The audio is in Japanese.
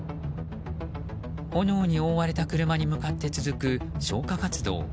炎に覆われた車に向かって続く消火活動。